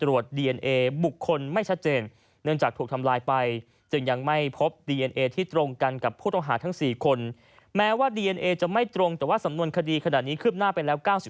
ว่าสำนวนคดีขนาดนี้ขึ้บหน้าไป๙๕